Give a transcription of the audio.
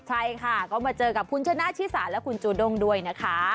ใช่ค่ะก็มาเจอกับคุณชนะชิสาและคุณจูด้งด้วยนะคะ